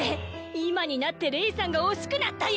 今になってレイさんが惜しくなったんやな！？